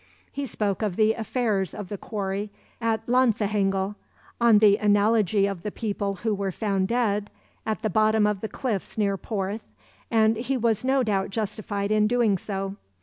He spoke of the affairs of the quarry at Llanfihangel on the analogy of the people who were found dead at the bottom of the cliffs near Porth, and he was no doubt justified in doing so.